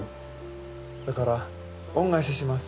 だから恩返しします。